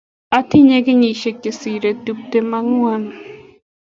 Atinye kenyisiek che sirei tiptem angen